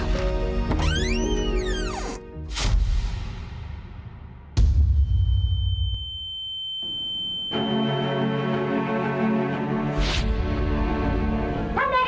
ทำได้กันหรอ